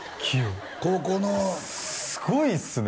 高校のすごいっすね